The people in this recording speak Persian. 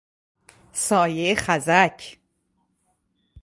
سایه خزک